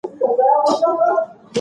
دا زموږ د ویاړ ملګرې ده.